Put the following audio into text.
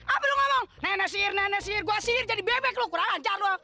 apa lo ngomong nenek sihir nenek sihir gue sihir jadi bebek lo kurang lancar lo